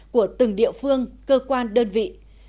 của từng địa phương cơ quan đơn vị